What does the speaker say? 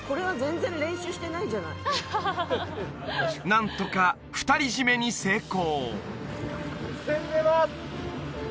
何とか二人占めに成功！